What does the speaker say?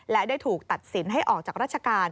และได้ถูกตัดสินให้ออกจากราชการ